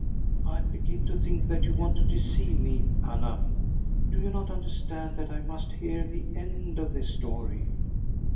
" I begin to think that you want to deceive me, Anna. Do you not understand that I must hear the end of this story